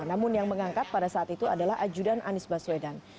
namun yang mengangkat pada saat itu adalah ajudan anies baswedan